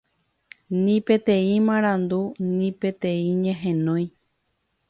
ni peteĩ marandu, ni peteĩ ñehenói